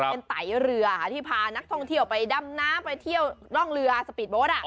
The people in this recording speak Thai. เป็นไตเรือที่พานักท่องเที่ยวไปดำน้ำไปเที่ยวร่องเรือสปีดโบสต์